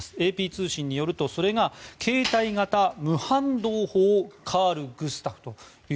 ＡＰ通信によると、それが携帯型無反動砲カール・グスタフ。